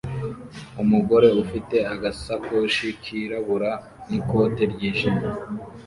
Umugore ufite agasakoshi kirabura n'ikote ryijimye